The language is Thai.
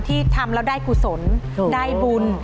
ที่ทำแล้วได้กุศลได้บุญ